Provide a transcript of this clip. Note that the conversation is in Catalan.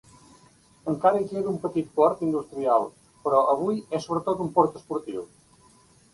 Encara hi queda un petit port industrial, però avui és sobretot un port esportiu.